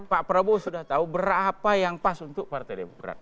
pak prabowo sudah tahu berapa yang pas untuk partai demokrat